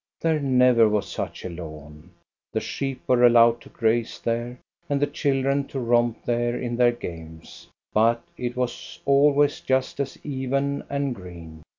There never was such a lawn. The sheep were allowed to graze there and the children to romp there in their games, but it was always just as even and green.